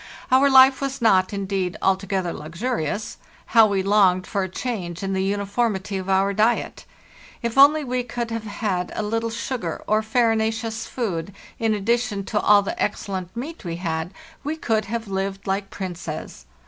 Our life was not, indeed, altogether luxurious. How we longed for a change in the uniformity of our diet! If only we could have had a little sugar and farinaceous food, in addition to all the excellent meat we had, we could have lived lke princes.